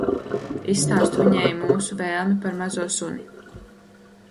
Izstāstu viņai mūsu vēlmi par mazo suni.